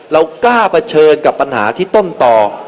เรากล้าเผชิญกับปัญหาที่ต้นต่อ